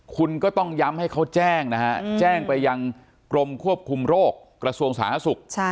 คุณก็ต้องย้ำให้เขาแจ้งนะฮะแจ้งไปยังกรมควบคุมโรคกระทรวงสาธารณสุข